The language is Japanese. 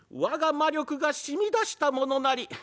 「『我が魔力が染み出したものなり』？